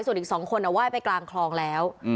ส่วนอีก๒คนไหว้ไปกลางคลองแล้ว